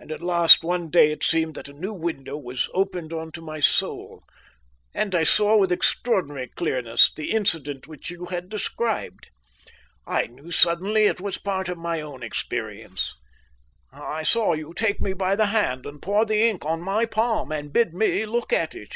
And at last one day it seemed that a new window was opened on to my soul, and I saw with extraordinary clearness the incident which you had described. I knew suddenly it was part of my own experience. I saw you take me by the hand and pour the ink on my palm and bid me look at it.